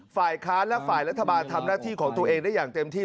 ฝ่ายค้านและฝ่ายรัฐบาลทำหน้าที่ของตัวเองได้อย่างเต็มที่